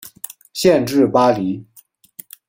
县治巴黎。